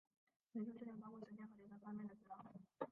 美术训练包括实践和理论方面的指导。